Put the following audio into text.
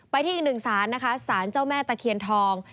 ที่อีกหนึ่งสารนะคะสารเจ้าแม่ตะเคียนทอง